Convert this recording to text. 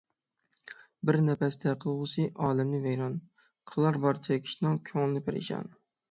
بىر نەپەستە قىلغۇسى ئالەمنى ۋەيران، قىلار بارچە كىشىنىڭ كۆڭلىن پەرىشان.